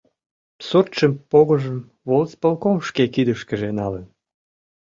Суртшым-погыжым волисполком шке кидышкыже налын.